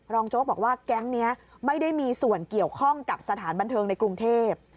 โจ๊กบอกว่าแก๊งนี้ไม่ได้มีส่วนเกี่ยวข้องกับสถานบันเทิงในกรุงเทพ